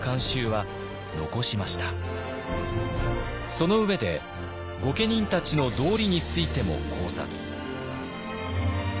その上で御家人たちの「道理」についても考察。